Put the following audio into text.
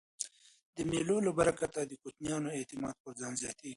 د مېلو له برکته د کوچنیانو اعتماد پر ځان زیاتېږي.